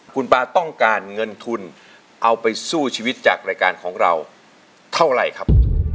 คุณป๊าต้องการเงินทุนเอาไปสู้ชีวิตจากรายการของเราเท่าไหร่ครับ